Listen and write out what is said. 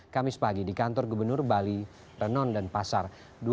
kamis pagi di kantor gubernur bali renon dan pasar